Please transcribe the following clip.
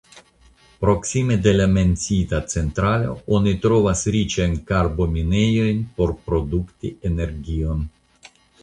Proksime de la menciita centralo oni trovis riĉajn karvominejojn por produkti energion.